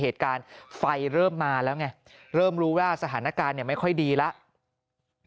เหตุการณ์ไฟเริ่มมาแล้วไงเริ่มรู้ว่าสถานการณ์ไม่ค่อยดีแล้ว